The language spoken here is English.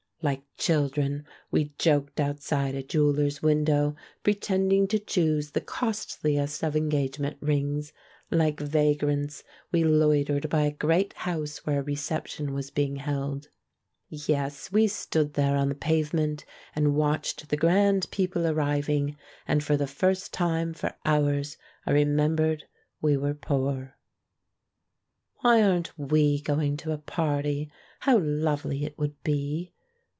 Like children we THE PRINCE IN THE FAIRY TALE 213 joked outside a jeweller's window, pretending to choose the costliest of engagement rings ; like va grants we loitered by a great house where a re ception was being held. Yes, we stood there on the pavement and watched the grand people ar riving ; and for the first time for hours I remem bered we were poor. "Why aren't we going to a party? How lovely it would be!"